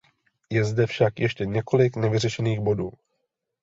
Je zde však ještě několik nevyřešených bodů.